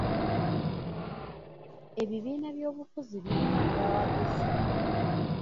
Ebibiina by'obufuzi birina abawagizi.